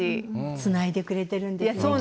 つないでくれてるんですね絆。